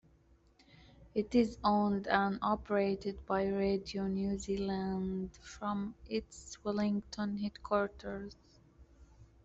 It is owned and operated by Radio New Zealand from its Wellington headquarters.